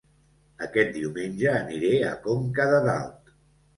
Aquest diumenge aniré a Conca de Dalt